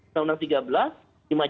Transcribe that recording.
undang undang tiga belas